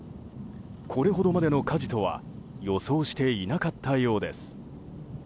これほどまでの火事とは予想していなかったようです。